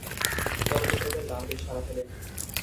চলচ্চিত্রটির গান বেশ সাড়া ফেলে।